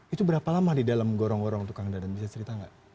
itu berapa lama di dalam gorong gorong tukang dadan bisa cerita nggak